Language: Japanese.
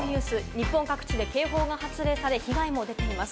日本各地で警報が発令され、被害も出ています。